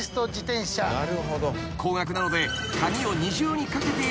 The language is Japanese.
［高額なので］